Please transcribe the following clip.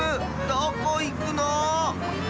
どこいくの？